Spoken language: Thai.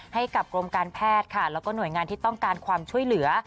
ให้กับกรมการแพทย์ค่ะแล้วก็หน่วยงานที่ต้องการความช่วยเหลือ